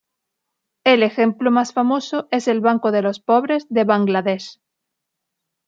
El ejemplo más famoso es el Banco de los pobres de Bangladesh.